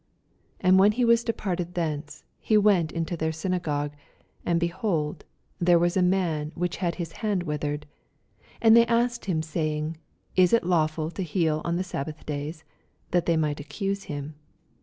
9 And when he was departed thence, ho went into their synagogue : 10 And, behold, there was a man which had his hand withered. And they asked him, sayine, Is it lawftd to heal on the sabbath days ? that they might accuse him.